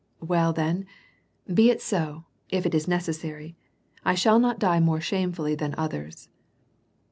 " Well then, be it so, if it is necessary. I shall not die more shamefully than others."